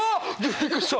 びっくりした！